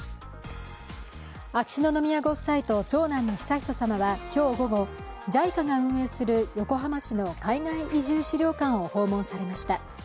秋篠宮ご夫妻と長男の悠仁さまは今日午後、ＪＩＣＡが運営する横浜市の海外移住資料館を訪問されました。